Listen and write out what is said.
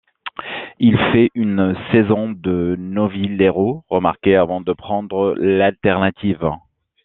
Il fait une saison de novillero remarquée avant de prendre l'alternative.